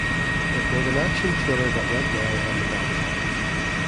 It was an action thriller that went well on the box office.